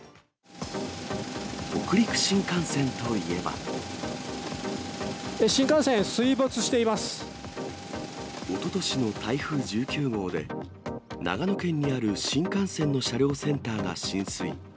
新幹線、おととしの台風１９号で、長野県にある新幹線の車両センターが浸水。